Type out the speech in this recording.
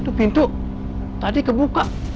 itu pintu tadi kebuka